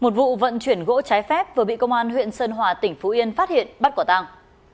một vụ vận chuyển gỗ trái phép vừa bị công an huyện sơn hòa tỉnh phú yên phát hiện bắt quả tàng